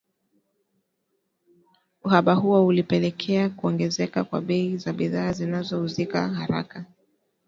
uhaba huo ulipelekea kuongezeka kwa bei za bidhaa zinazo uzika haraka